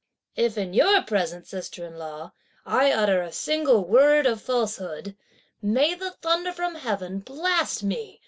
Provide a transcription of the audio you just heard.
"If in your presence, sister in law, I utter a single word of falsehood, may the thunder from heaven blast me!"